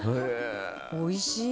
おいしい。